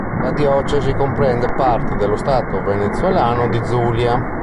La diocesi comprende parte dello stato venezuelano di Zulia.